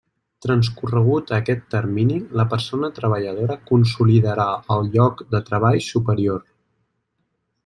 Transcorregut aquest termini, la persona treballadora consolidarà el lloc de treball superior.